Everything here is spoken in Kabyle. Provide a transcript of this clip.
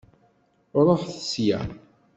Ṛuḥet sya!